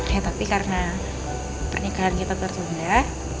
ya tapi karena pernikahan kita tertunda